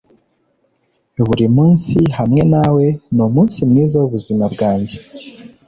buri munsi hamwe nawe ni umunsi mwiza wubuzima bwanjye.